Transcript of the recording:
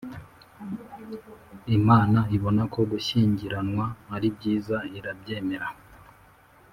Imana ibona ko gushyingiranwa aribyiza irabyemera